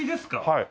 はい。